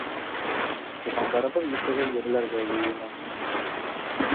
Туғандарыбыҙ иртәгә ерләргә йыйына.